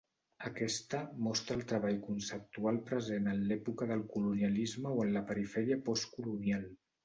Aquesta mostra el treball conceptual present en l’època del colonialisme o en la perifèria postcolonial.